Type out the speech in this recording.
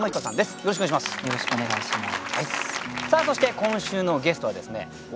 よろしくお願いします！